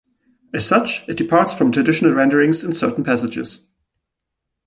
As such, it departs from traditional renderings in certain passages.